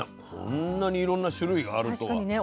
こんなにいろんな種類があるとは。